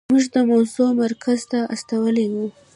موږ دا موضوع مرکز ته استولې وه.